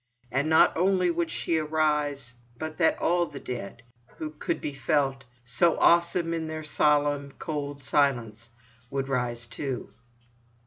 And that not only would she arise; but that all the dead, who could be felt, so awesome in their solemn cold silence, would rise too.